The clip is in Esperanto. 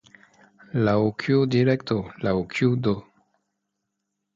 Laŭ kiu direkto, laŭ kiu do?